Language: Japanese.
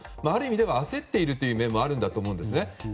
ある意味では、焦っている面もあるんだと思うんですね。